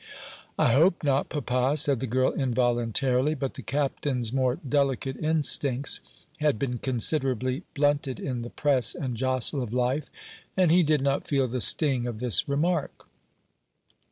"I hope not, papa," said the girl involuntarily; but the Captain's more delicate instincts had been considerably blunted in the press and jostle of life, and he did not feel the sting of this remark.